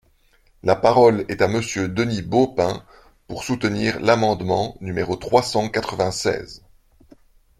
La parole est à Monsieur Denis Baupin, pour soutenir l’amendement numéro trois cent quatre-vingt-seize.